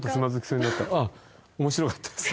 若干あっ面白かったです